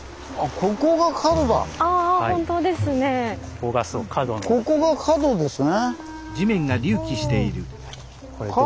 ここが角ですね。